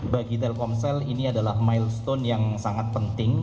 bagi telkomsel ini adalah milestone yang sangat penting